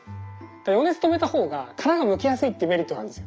余熱止めた方が殻がむきやすいっていうメリットがあるんですよ。